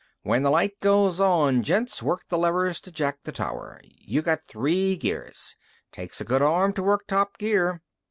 "When the light goes on, gents, work the lever to jack the tower. You got three gears. Takes a good arm to work top gear.